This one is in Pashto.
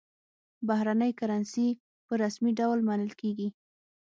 بهرنۍ کرنسي په رسمي ډول منل کېږي.